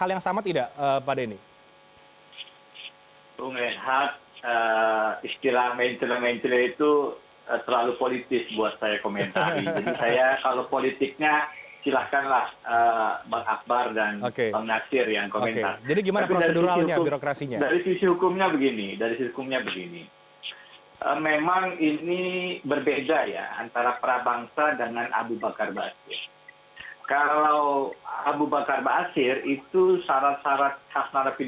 agung minimal dua kali